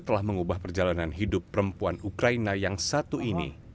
telah mengubah perjalanan hidup perempuan ukraina yang satu ini